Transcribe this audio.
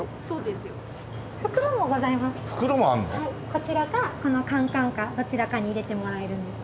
こちらかこのカンカンかどちらかに入れてもらえる。